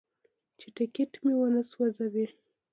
چې ټکټ مې ونه سوځوي.